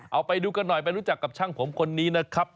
เอาไปดูกันหน่อยไปรู้จักกับช่างผมคนนี้นะครับ